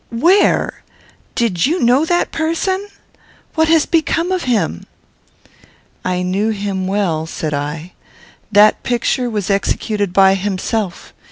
Where? Did you know that person? What has become of him?" "I knew him well," said I. "That picture was executed by himself.